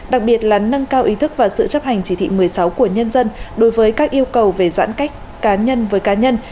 đặc biệt là nâng cao ý thức và sự chấp hành chỉ thị một mươi sáu của nhân dân đối với các yêu cầu về giãn cách cá nhân với cá nhân